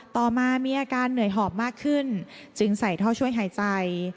ต่อมามีอาการเหนื่อยหอบมากขึ้นจึงใส่ท่อช่วยหายใจ